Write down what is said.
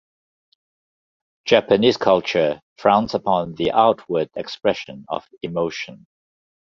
Japanese culture frowns upon the outward expression of emotion.